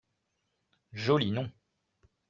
Joli nom